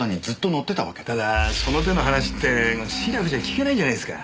ただその手の話って素面じゃ聞けないじゃないですか。